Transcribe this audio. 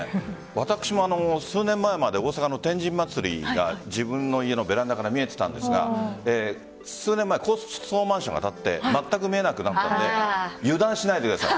私も数年前まで大阪の天神祭が自分の家のベランダから見えていたんですが数年前、高層マンションが建ってまったく見えなくなったので油断しないでください。